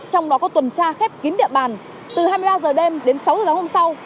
trong đó có tuần tra khép kín địa bàn từ hai mươi ba h đêm đến sáu h hôm sau